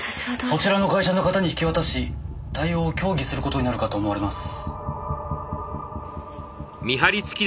そちらの会社の方に引き渡し対応を協議する事になるかと思われます。